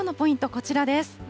こちらです。